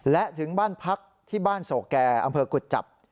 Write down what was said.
และถึงบ้านพักที่บ้านโสแก่อำเภอกุจจับ